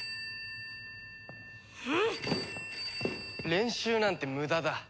練習なんて無駄だ。